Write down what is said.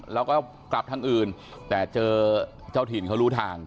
แล้วก็กลับทางอื่นแต่เจอเจ้าถิ่นเขารู้ทาง